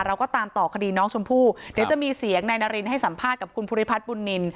เราก็ตามต่อคดีน้องชมพู่เดี๋ยวจะมีเสียงนายนารินให้สัมภาษณ์กับคุณภูริพัฒน์บุญนิน